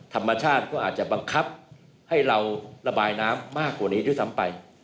ธรรมชาติก็อาจจะบังคับให้เราระบายน้ำมากกว่านี้ด้วยซ้ำไป